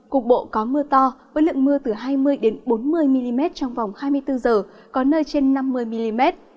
cục bộ có mưa to với lượng mưa từ hai mươi bốn mươi mm trong vòng hai mươi bốn h có nơi trên năm mươi mm